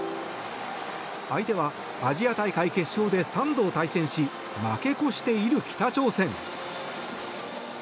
相手はアジア大会決勝で３度対戦し負け越している北朝鮮。